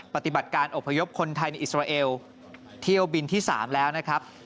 ปฏิบัติการอบพยพคนไทยในอิสราเอลเที่ยวบินที่๓แล้วนะครับ